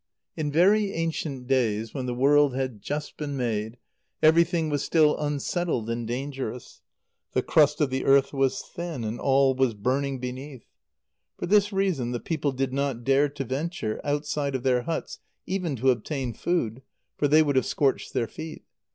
_ In very ancient days, when the world had just been made, everything was still unsettled and dangerous. The crust of the earth was thin, and all was burning beneath. For this reason the people did not dare to venture outside of their huts even to obtain food: for they would have scorched their feet.